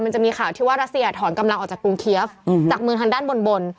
มันจะมีข่าวที่ว่ารัสยาถอนกำลังออกจากกรุงเคียฟจากเมืองทางด้านบน